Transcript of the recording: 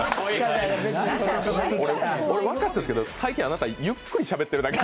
分かったんですけど、最近、あなたゆっくりしゃべってるだけ。